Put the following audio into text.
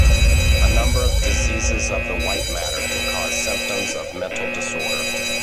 A number of diseases of the white matter can cause symptoms of mental disorder.